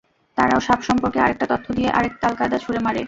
তারাও সাপ সম্পর্কে আরেকটা তথ্য দিয়ে আরেক তাল কাদা ছুড়ে মারে।